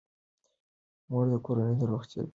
مور د کورنۍ د روغتیايي بیمې په اړه فکر کوي.